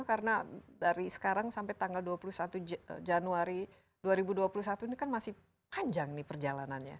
karena dari sekarang sampai tanggal dua puluh satu januari dua ribu dua puluh satu ini kan masih panjang nih perjalanannya